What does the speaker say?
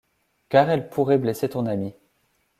Car elle pourrait blesser ton amie.